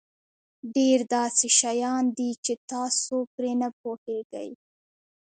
ډېر داسې شیان دي چې تاسو پرې نه پوهېږئ.